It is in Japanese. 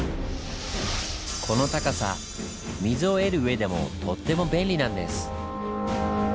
この高さ水を得る上でもとっても便利なんです。